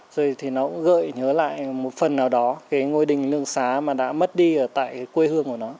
rồi thì nó gợi nhớ lại một phần nào đó cái ngôi đình lương xá mà đã mất đi ở tại quê hương của nó